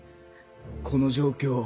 この状況を。